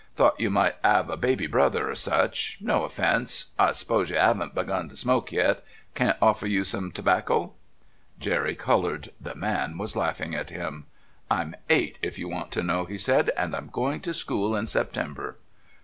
Thought you might 'ave a baby brother or such. No offence I suppose you 'aven't begun to smoke yet. Can't offer you some tobacco." Jeremy coloured. The man was laughing at him. "I'm eight if you want to know," he said, "and I'm going to school in September."